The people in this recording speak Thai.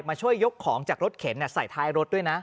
มาช่วยยกของจากรถเข็นใส่ท้ายรถด้วยนะ